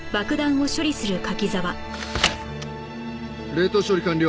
冷凍処理完了。